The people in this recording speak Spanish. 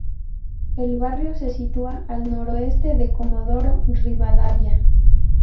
El barrio se sitúa al noroeste de Comodoro Rivadavia.